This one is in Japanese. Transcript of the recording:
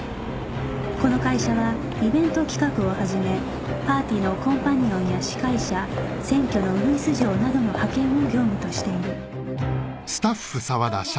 この会社はイベント企画をはじめパーティーのコンパニオンや司会者選挙のうぐいす嬢などの派遣を業務としている